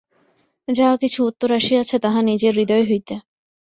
যাহা কিছু উত্তর আসিয়াছে, তাহা নিজের হৃদয় হইতে।